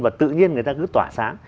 và tự nhiên người ta cứ tỏa sáng